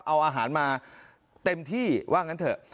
เอาอาหารมาเต็มที่ว่างั้นเถอะ